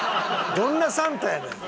どんなサンタやねん。